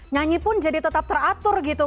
nyanyi pun jadi tetap teratur gitu